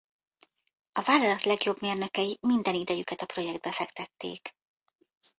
A vállalat legjobb mérnökei minden idejüket a projektbe fektették.